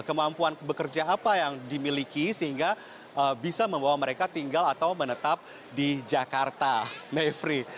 kemampuan bekerja apa yang dimiliki sehingga bisa membawa mereka tinggal atau menetap di jakarta mevri